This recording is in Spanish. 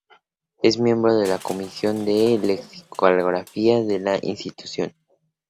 Es miembro de la Comisión de Lexicografía de la institución.